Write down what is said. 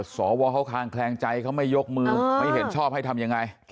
สวเขาคางแคลงใจเขาไม่ยกมือไม่เห็นชอบให้ทำยังไง